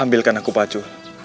ambilkan aku pacu